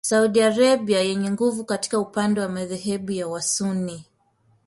Saudi Arabia yenye nguvu katika upande madhehebu ya wasunni